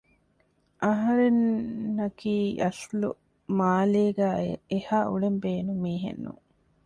އަހަރެންންނަކީ އަސްލު މާލޭގައި އެހާ އުޅެން ބޭނުން މީހެއް ނޫން